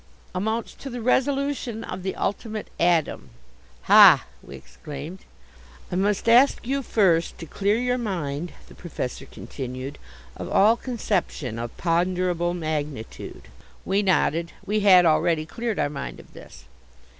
"Amounts to the resolution of the ultimate atom." "Ha!" we exclaimed. "I must ask you first to clear your mind," the Professor continued, "of all conception of ponderable magnitude." We nodded. We had already cleared our mind of this.